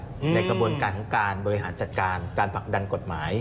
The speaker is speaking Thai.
ในกระบวนการของการบริหารจัดการการผลักดันกฎหมาย